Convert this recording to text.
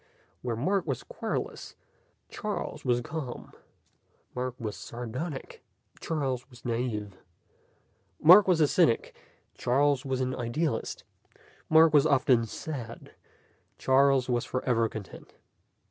Where Mark was querulous, Charles was calm. Mark was sardonic, Charles was naive. Mark was a cynic, Charles was an idealist. Mark was often sad; Charles was forever content.